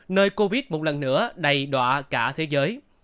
nơi covid một lần nữa đầy đoạn cả thế giới